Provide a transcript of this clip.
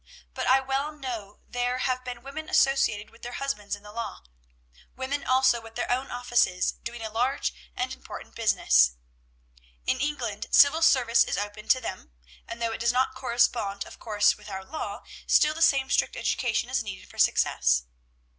But I well know there have been women associated with their husbands in the law. Women also with their own offices, doing a large and important business. "In England, civil service is open to them; and though it does not correspond of course with our law, still the same strict education is needed for success.